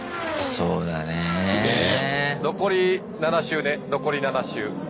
そうだねえ。